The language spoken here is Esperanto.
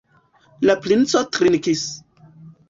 La princo trinkis.